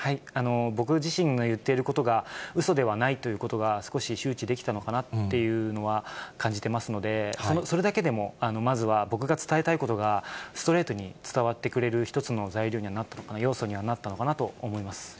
僕自身の言っていることがうそではないということが、少し周知できたのかなっていうのは感じてますので、それだけでも、まずは僕が伝えたいことがストレートに伝わってくれる一つの材料には、要素にはなったのかなと思います。